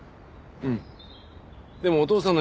うん。